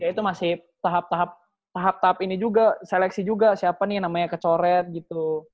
jadi itu masih tahap tahap ini juga seleksi juga siapa nih namanya kecoret gitu